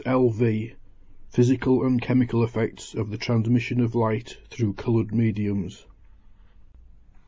LV. PHYSICAL AND CHEMICAL EFFECTS OF THE TRANSMISSION OF LIGHT THROUGH COLOURED MEDIUMS.